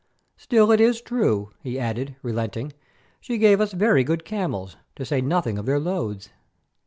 Still it is true," he added, relenting, "she gave us very good camels, to say nothing of their loads."